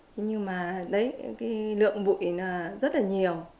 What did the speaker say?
nhưng mà lượng bụi rất là nhiều